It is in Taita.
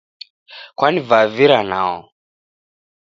Kwanivavira nao